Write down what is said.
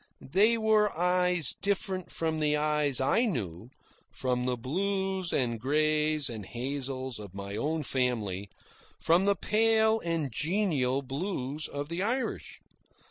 They were eyes different from the eyes I knew, from the blues and greys and hazels of my own family, from the pale and genial blues of the Irish.